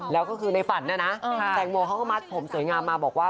แล้วก็คือในฝันนะนะแตงโมเขาก็มัดผมสวยงามมาบอกว่า